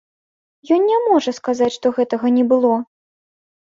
Ён не можа сказаць, што гэтага не было.